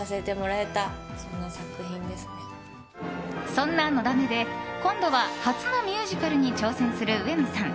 そんな「のだめ」で今度は初のミュージカルに挑戦する上野さん。